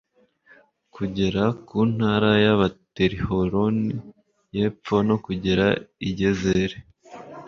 kugera ku ntara ya betihoroni y'epfo no kugera i gezeri